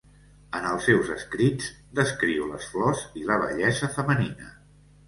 En els seus escrits descriu les flors i la bellesa femenina.